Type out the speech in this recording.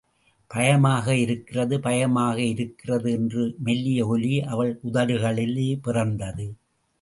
பயமாக இருக்கிறது, பயமாக இருக்கிறது என்ற மெல்லிய ஒலி அவள் உதடுகளிலே பிறந்தது.